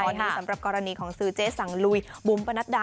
ตอนนี้สำหรับกรณีของซื้อเจ๊สังลุยบุ๋มปะนัดดา